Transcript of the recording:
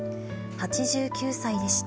８９歳でした。